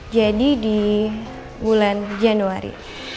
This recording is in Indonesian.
jadi di bulan januari